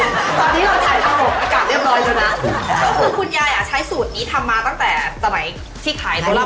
ตอนนี้เราถ่ายทั้ง๖อากาศเรียบร้อยดูนะ